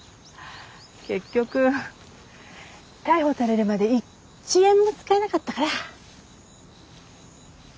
結局逮捕されるまで一円も使えなかったから。